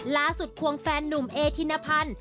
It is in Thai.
ล่าสุดควงแฟนหนุ่มเอธินพันธ์